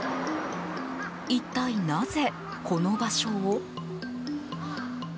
一体なぜ、この場所を？